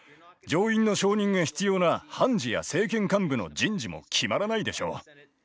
上院の承認が必要な判事や政権幹部の人事も決まらないでしょう。